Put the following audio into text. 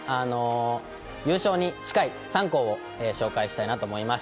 優勝に近い３校を紹介したいと思います。